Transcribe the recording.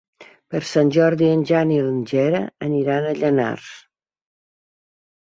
Per Sant Jordi en Jan i en Gerai aniran a Llanars.